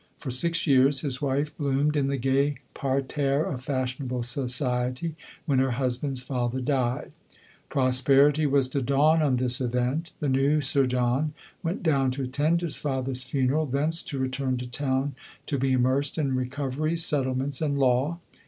For ^ix years, his wife bloomed in the gay parterre of fashionable society, when her husband's father died. Pros perity was to dawn on this event : the new Sir John went down to attend his father's funeral ; thence to return to town, to be immersed in recoveries, settlements, and law.